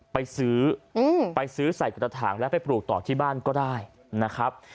ไปซื้อไปซื้อใส่กระถางแล้วไปปลูกต่อที่บ้านก็ได้นะครับ